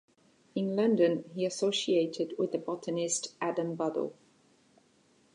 In London he associated with the botanist Adam Buddle.